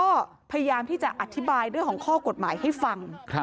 ก็พยายามที่จะอธิบายเรื่องของข้อกฎหมายให้ฟัง